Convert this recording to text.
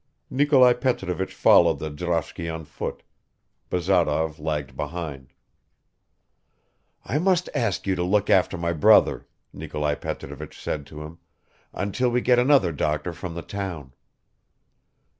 Nikolai Petrovich followed the droshky on foot. Bazarov lagged behind ... "I must ask you to look after my brother," Nikolai Petrovich said to him, "until we get another doctor from the town."